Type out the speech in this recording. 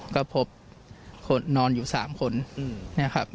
ก็พบคนนอนอยู่๓คนเนี่ยครับ